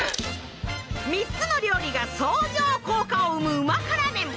３つの料理が相乗効果を生む旨辛麺。